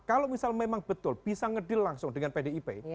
kalau misal memang betul bisa ngedil langsung dengan pdip